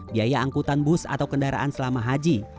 biaya angkutan bus atau kendaraan selama haji